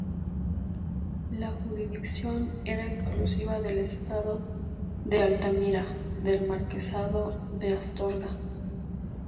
La jurisdicción era exclusiva del estado de Altamira, del Marquesado de Astorga.